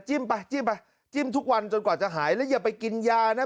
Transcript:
ไปจิ้มไปจิ้มทุกวันจนกว่าจะหายแล้วอย่าไปกินยานะ